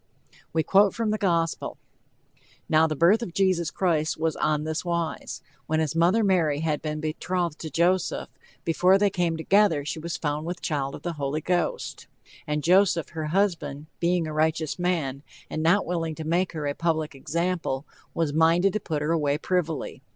We quote from the gospel: "Now the birth of Jesus Christ was on this wise: When his mother Mary had been betrothed to Joseph, before they came together she was found with child of the Holy Ghost. And Joseph, her husband, being a righteous man, and not willing to make her a public example, was minded to put her away privily.